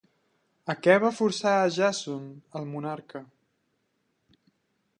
A què va forçar a Jàson, el monarca?